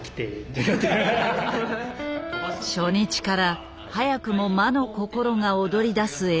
初日から早くも魔の心が躍り出すエンジニア。